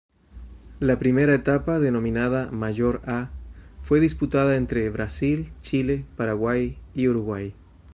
La primera etapa denominada "Mayor A", fue disputada entre Brasil, Chile, Paraguay y Uruguay.